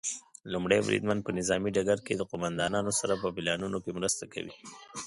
لومړی بریدمن په نظامي ډګر کې د قوماندانانو سره په پلانونو کې مرسته کوي.